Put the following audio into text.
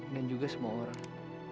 dan juga semua orang